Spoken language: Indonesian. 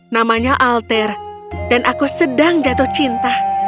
namanya alter dan aku sedang jatuh cinta